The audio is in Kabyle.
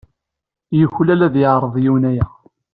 Yuklal ad yeɛreḍ yiwen aya.